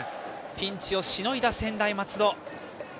ピンチをしのいだ専大松戸。